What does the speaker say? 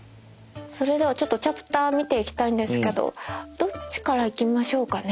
それではちょっとチャプター見ていきたいんですけどどっちから行きましょうかね。